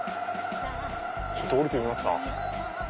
ちょっと降りてみますか。